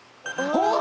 おっ。